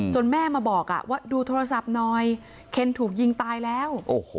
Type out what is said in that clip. แม่มาบอกว่าดูโทรศัพท์หน่อยเคนถูกยิงตายแล้ว